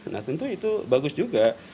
nah tentu itu bagus juga